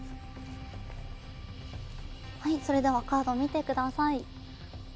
それではカードを見てください。